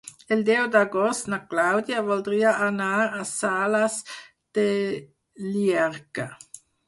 El deu d'agost na Clàudia voldria anar a Sales de Llierca.